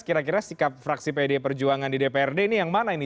kira kira sikap fraksi pd perjuangan di dprd ini yang mana ini